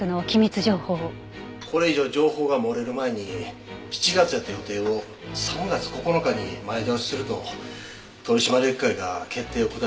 これ以上情報が漏れる前に７月やった予定を３月９日に前倒しすると取締役会が決定を下しました。